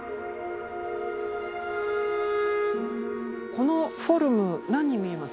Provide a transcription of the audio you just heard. このフォルムなんに見えます？